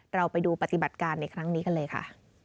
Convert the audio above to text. เราไปดูปฏิบัติการในครั้งนี้กันเลยค่ะ